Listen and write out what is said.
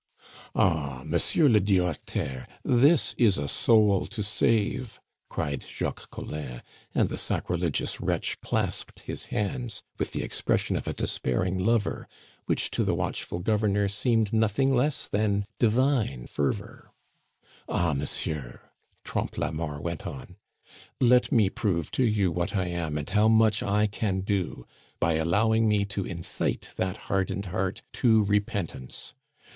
"Ah! Monsieur le Directeaur, this is a soul to save!" cried Jacques Collin, and the sacrilegious wretch clasped his hands with the expression of a despairing lover, which to the watchful governor seemed nothing less than divine fervor. "Ah, monsieur," Trompe la Mort went on, "let me prove to you what I am, and how much I can do, by allowing me to incite that hardened heart to repentance.